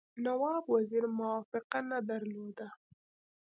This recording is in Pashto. نواب وزیر موافقه نه درلوده.